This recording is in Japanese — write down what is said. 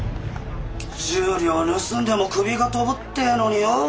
１０両盗んでも首が飛ぶってえのによ。